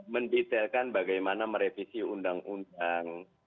mendetailkan bagaimana merevisi undang undang